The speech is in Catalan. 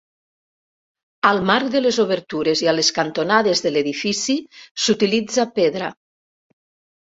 Al marc de les obertures i a les cantonades de l'edifici s'utilitza pedra.